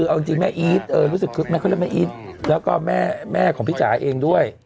เอาจริงจริงแม่อี๊ดเออรู้สึกคือแม่เขาเรียกแม่อี๊ดแล้วก็แม่แม่ของพี่จ๋าเองด้วย